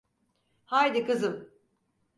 Haydi kızım.